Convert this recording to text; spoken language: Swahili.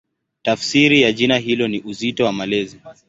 Tafsiri ya jina hilo ni "Uzito wa Malezi".